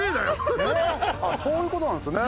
そういうことなんすね。